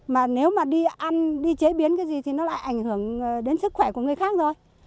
mà nếu mà đi ăn đi chế biến cái gì thì nó lại ảnh hưởng đến sức khỏe của người khác thôi